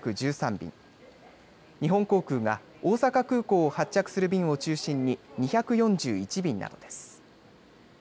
便日本航空が大阪空港を発着する便を中心に２４１便などです。